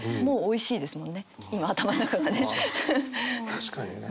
確かにね。